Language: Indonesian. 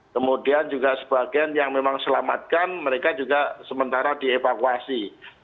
kemudian juga sebagian yang memang selamatkan mereka juga sementara dievakuasi